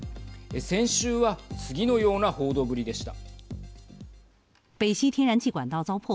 先週は次のような報道ぶりでした。